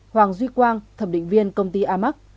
hoàng duy quang thẩm định viên công ty amac